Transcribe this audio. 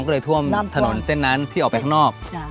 ก็เลยท่วมถนนเส้นนั้นที่ออกไปข้างนอก